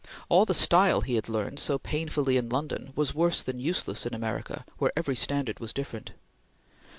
All the style he had learned so painfully in London was worse than useless in America where every standard was different.